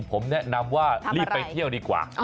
ผมแนะนำว่ารีบไปเที่ยวดีกว่า